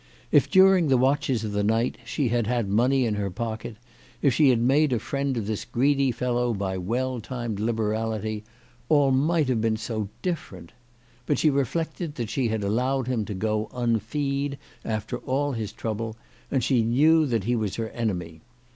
If during the watches of the night she had had money in her pocket, if she had made a friend of this greedy CHRISTMAS AT THOMPSON HALL. 235 fellow by well timed liberality, all might have been so different ! But she reflected that she had allowed him to go unfee'd after all his trouble, and she knew that he was her enemy.